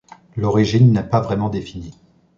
L'origine n'est pas vraiment définie.